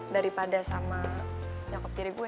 daripada sama nyokap tiri gue